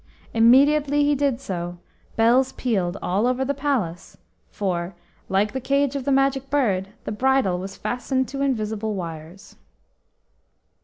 Immediately he did so, bells pealed all over the palace, for, like the cage of the Magic Bird, the bridle was fastened to invisible wires.